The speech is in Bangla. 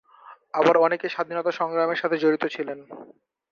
আবার অনেকে স্বাধীনতা সংগ্রামের সাথে জড়িত ছিলেন।